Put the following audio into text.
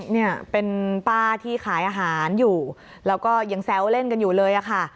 เนี่ยเป็นป้าที่ขายอาหารอยู่แล้วก็ยังแซวเล่นกันอยู่เลยอะค่ะ